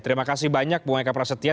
terima kasih banyak bung eka prasetya